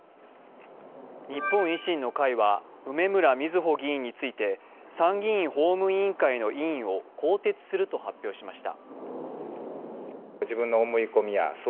日本維新の会は梅村みずほ議員について参議院法務委員会の委員を更迭すると発表しました。